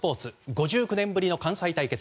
５９年ぶりの関西対決。